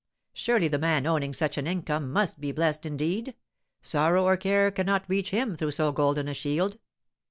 Surely the man owning such an income must be blessed indeed, sorrow or care cannot reach him through so golden a shield!"